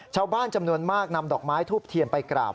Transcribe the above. ชาวบ้านจำนวนมากนำดอกไม้ทูบเทียนไปกราบ